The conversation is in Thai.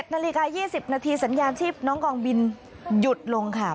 นาฬิกา๒๐นาทีสัญญาณชีพน้องกองบินหยุดลงค่ะ